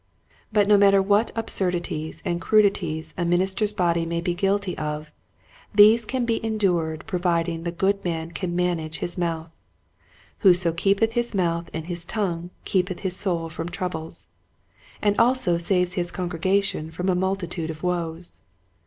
But no matter what absurdities and crudities a minister's body may be guilty of, these can be endured providing the good man can manage his mouth. "Whoso keepeth his mouth and his tongue keepeth his soul from troubles," and also saves his congregation from a multitude of woes.